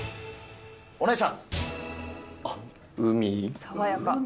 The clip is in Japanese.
お願いします。